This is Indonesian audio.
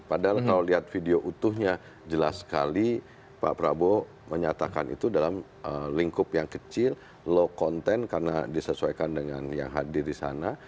padahal kalau lihat video utuhnya jelas sekali pak prabowo menyatakan itu dalam lingkup yang kecil low content karena disesuaikan dengan yang hadir di sana